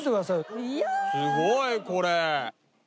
すごいこれ。